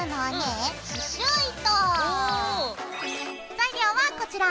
材料はこちら。